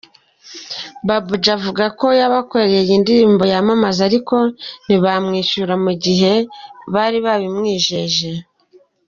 Babu G avuga ko yabakoreye indirimbo yamamaza ariko ntibamwishyure mu gihe bari babimwijeje.